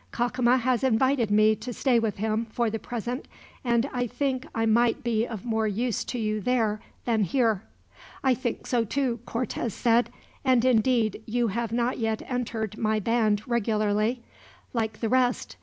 Cacama has invited me to stay with him, for the present, and I think I might be of more use to you there than here." "I think so, too," Cortez said; "and indeed, you have not yet entered my band regularly, like the rest.